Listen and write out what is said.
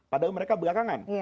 padahal mereka belakangan